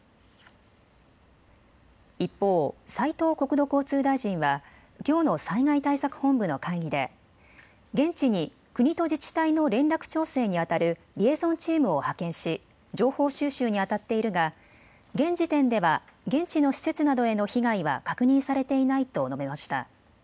一方、斉藤国土交通大臣はきょうの災害対策本部の会議で現地に国と自治体の連絡調整にあたるリエゾンチームを派遣し情報収集に当たっているが現時点では現地の施設などへの被害は確認されていないと述べました。